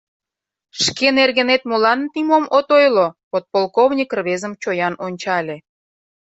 Шке нергенет молан нимом от ойло? — подполковник рвезым чоян ончале.